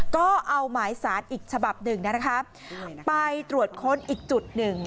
ก็เอาหมายสารอีกฉบับหนึ่งนะคะไปตรวจค้นอีกจุดหนึ่ง